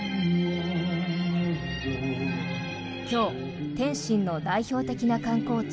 今日、天津の代表的な観光地